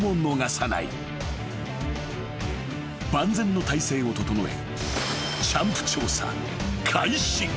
［万全の態勢を整え］